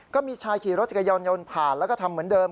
ก็มีชายขี่รถจักรยานยนต์ผ่านแล้วก็ทำเหมือนเดิม